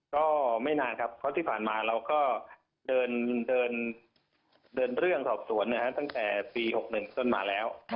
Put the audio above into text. ก็ไม่นานครับเพราะที่ผ่านมาเราก็เดินเรื่องสอบสวนตั้งแต่ปี๖๑ต้นมาแล้ว